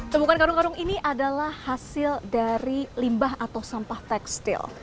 temukan karung karung ini adalah hasil dari limbah atau sampah tekstil